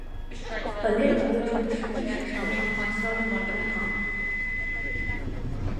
本列表列出的是历史上漫画销量的排行。